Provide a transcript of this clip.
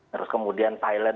terus kemudian thailand